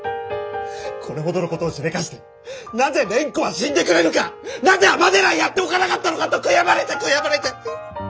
これほどの事をしでかしてなぜ蓮子は死んでくれぬかなぜ尼寺へやっておかなかったのかと悔やまれて悔やまれて！